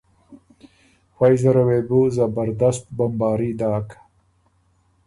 فئ زره وې بو زبردست بمباري داک